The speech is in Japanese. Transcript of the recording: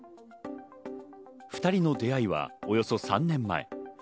２人の出会いはおよそ３年前。